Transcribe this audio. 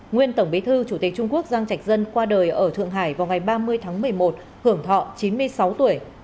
nguyên tổng bí thư chủ tịch trung quốc giang trạch dân qua đời ở thượng hải vào ngày ba mươi tháng một mươi một hưởng thọ chín mươi sáu tuổi